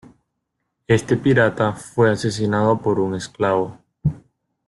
Este pirata fue asesinado por un esclavo.